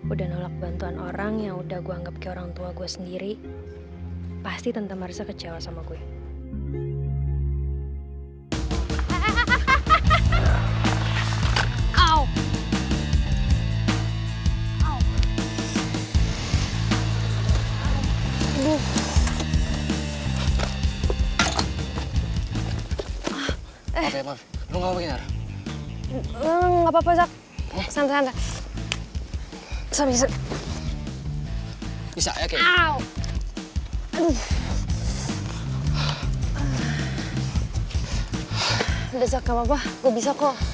udah zak gak apa apa gue bisa kok